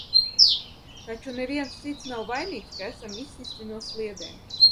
Taču neviens cits nav vainīgs, ka esam izsisti no sliedēm.